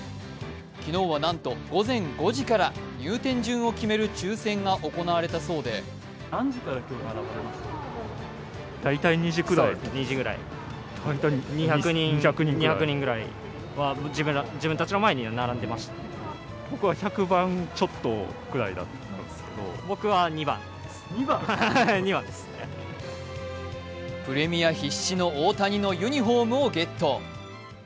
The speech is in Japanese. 昨日はなんと午前５時から入店順を決める抽選が行われたそうでプレミア必至の大谷のユニフォームをゲット。